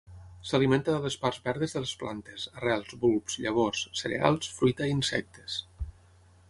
S'alimenta de les parts verdes de les plantes, arrels, bulbs, llavors, cereals, fruita i insectes.